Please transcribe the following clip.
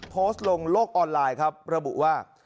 โพสต์ลงโลกออนไลน์ครับระบุว่า